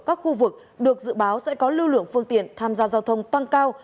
các khu vực được dự báo sẽ có lưu lượng phương tiện tham gia giao thông tăng cao